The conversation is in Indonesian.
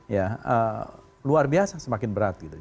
ya luar biasa semakin berat gitu